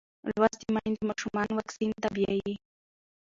لوستې میندې ماشومان واکسین ته بیايي.